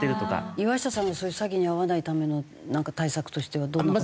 岩下さんはそういう詐欺に遭わないためのなんか対策としてはどんな事を？